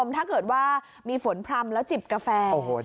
ถ้าเกิดว่ามีฝนพร่ำแล้วจิบกาแฟ